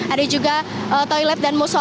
ada juga toilet dan musola